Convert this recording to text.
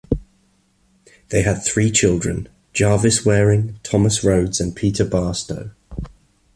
They had three children: Jarvis Waring, Thomas Rhodes, and Peter Barstow.